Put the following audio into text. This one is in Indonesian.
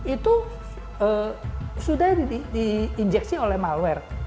itu sudah diinjeksi oleh malware